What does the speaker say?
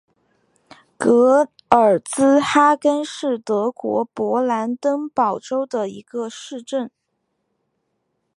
格尔茨哈根是德国勃兰登堡州的一个市镇。